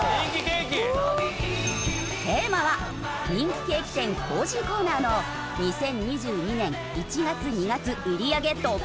テーマは人気ケーキ店コージーコーナーの２０２２年１月２月売り上げトップ１０。